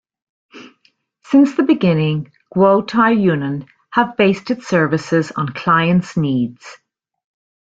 Since the beginning, Guotai Junan have based its services on clients’ needs.